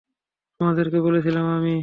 তোমাদেরকে বলেছিলাম আমি।